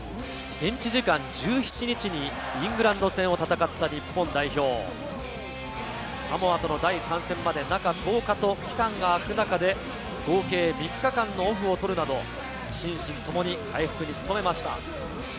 現地時間１７日にイングランド戦を戦った日本代表、サモアとの第３戦まで中１０日と期間が空く中で合計３日間のオフを取るなど、心身ともに回復に努めました。